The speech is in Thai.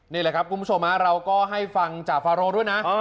นี่แหละครับคุณผู้ชมเราก็ให้ฟังจ่าฟาโรด้วยนะ